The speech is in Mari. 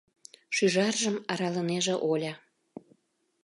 — шӱжаржым аралынеже Оля.